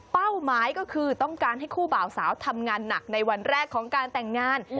หมายก็คือต้องการให้คู่บ่าวสาวทำงานหนักในวันแรกของการแต่งงาน